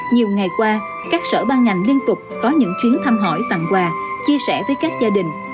nhiều ngày qua các sở ban ngành liên tục có những chuyến thăm hỏi tặng quà chia sẻ với các gia đình